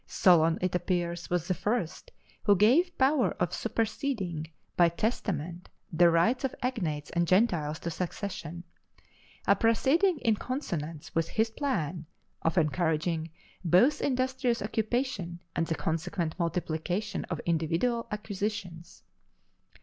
Solon, it appears, was the first who gave power of superseding by testament the rights of agnates and gentiles to succession, a proceeding in consonance with his plan of encouraging both industrious occupation and the consequent multiplication of individual acquisitions.